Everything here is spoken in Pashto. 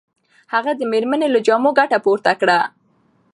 هغه د مېرمنې له جامو ګټه پورته کړه.